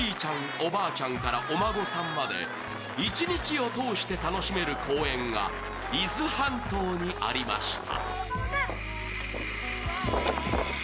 おばあちゃんからお孫さんまで一日を通して楽しめる公園が伊豆半島にありました。